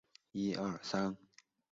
江西新建人。